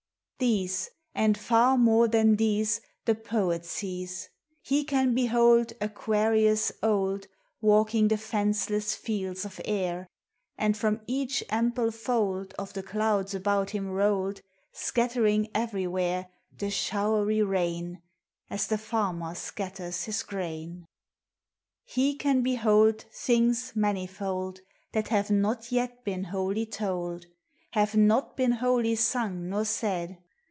These, and far more than these, The Poet sees ! He can behold Aquarius old Walking the fenceless fields of air; And from each ample fold Of the clouds about him rolled Scattering everywhere The showery rain, As the farmer scatters his grain. He can behold Things manifold That have not yet been wholly told, — Have not been wholly suns nor said.